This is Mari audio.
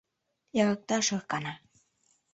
— Эрыкташ ӧркана.